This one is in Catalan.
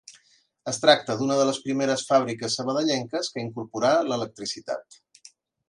Es tracta d'una de les primeres fàbriques sabadellenques que incorporà l'electricitat.